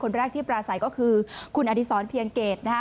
คนแรกที่ประสัยก็คือคุณอธิษฎ์เพียงเกรดนะ